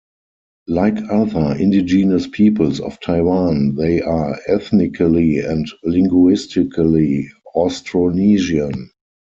Like other indigenous peoples of Taiwan they are ethnically and linguistically Austronesian.